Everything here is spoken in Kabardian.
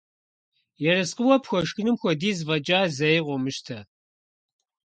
Ерыскъыуэ пхуэшхынум хуэдиз фӀэкӀа зэи къыумыщтэ.